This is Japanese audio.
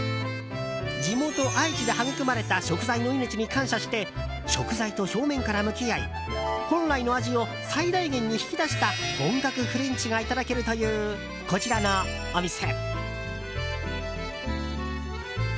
地元・愛知で育まれた食材の命に感謝して食材と正面から向き合い本来の味を最大限に引き出した本格フレンチがいただけるというこちらのお店。